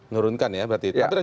nurunkan ya berarti